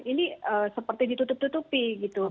ini seperti ditutup tutupi gitu